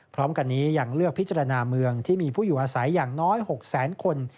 พร้อมกันนี้ยังเลือกพิจารณาเมืองที่มีผู้อยู่อาศัยอย่างน้อย๖แสนคน